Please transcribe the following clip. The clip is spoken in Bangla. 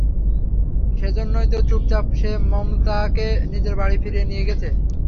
সেই জন্যই তো চুপচাপ এসে মমতা কে নিজের বাড়িতে ফিরিয়ে নিয়ে গেছে।